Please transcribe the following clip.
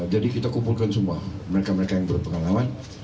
jadi kita kumpulkan semua mereka mereka yang berpengalaman